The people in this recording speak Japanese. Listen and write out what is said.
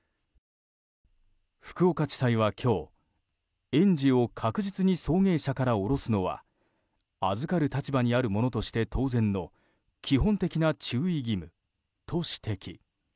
福岡地裁は今日、園児を確実に送迎車から降ろすのは預かる立場にある者として当然の基本的な注意義務と指摘。